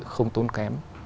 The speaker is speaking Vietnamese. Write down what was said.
không tốn kém